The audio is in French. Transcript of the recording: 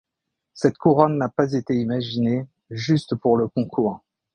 Cette couronne n'a pas été imaginée juste pour le concours.